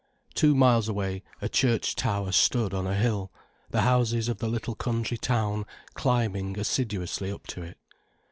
Two miles away, a church tower stood on a hill, the houses of the little country town climbing assiduously up to it.